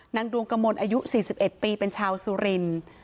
นางดวงกระมนอายุ๔๑ปีเป็นชาวสุริน